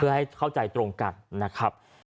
เพื่อให้เข้าใจตรงกันนะครับ